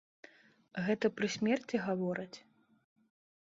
Гэта пры смерці гавораць?